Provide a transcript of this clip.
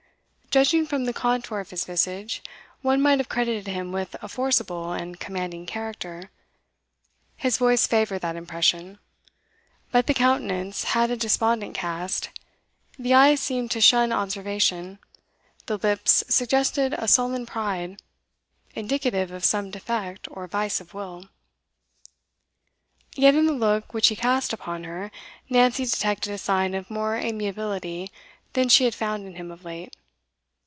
Judging from the contour of his visage, one might have credited him with a forcible and commanding character; his voice favoured that impression; but the countenance had a despondent cast, the eyes seemed to shun observation, the lips suggested a sullen pride, indicative of some defect or vice of will. Yet in the look which he cast upon her, Nancy detected a sign of more amiability than she had found in him of late.